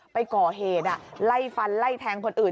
ไปก่อเหตุไล่ฟันไล่แทงคนอื่น